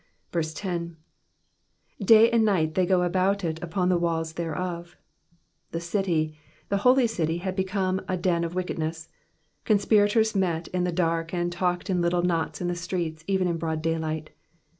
10. ''Day and night they go about it upon the tcalh thereof. '^'^ The city, the holy city had become a den of wickedness ; conspirators met in the dark, and talked in little knots in the streets even in broad daylight.